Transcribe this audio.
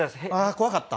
怖かった。